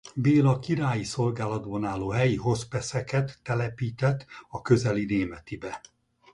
Béla királyi szolgálatban álló helyi hospeseket telepített a közeli Németibe.